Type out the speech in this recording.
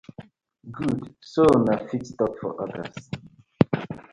Good so una fit tok for others.